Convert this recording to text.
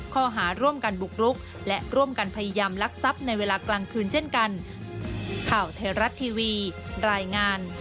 ข้อหาร่วมกันบุกรุกและร่วมกันพยายามลักทรัพย์ในเวลากลางคืนเช่นกัน